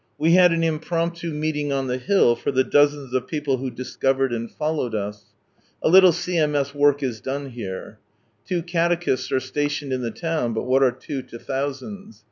We had an impromptu meeting on the hill, for the dozens of people who dis covered and followed us. A little C.M.S. work is done here. Two catechists are stationed in the town, but what are two to thousands